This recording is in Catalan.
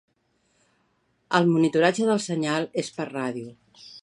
El monitoratge del senyal és per ràdio.